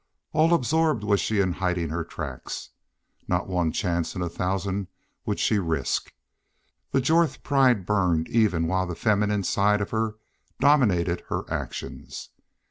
All absorbed was she in hiding her tracks. Not one chance in a thousand would she risk. The Jorth pride burned even while the feminine side of her dominated her actions.